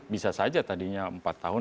bisa saja tadinya empat tahun